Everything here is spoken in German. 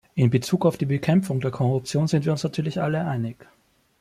In Bezug auf die Bekämpfung der Korruption sind wir uns natürlich alle einig.